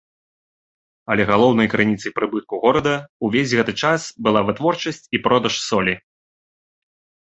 Але галоўнай крыніцай прыбытку горада ўвесь гэты час была вытворчасць і продаж солі.